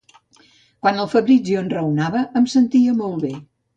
Quan el Fabrizio enraonava em sentia molt bé.